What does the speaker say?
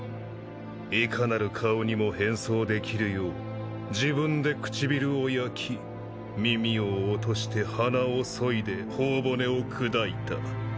いかなる顔にも変装できるよう自分でくちびるを焼き耳を落として鼻をそいで頬骨を砕いた。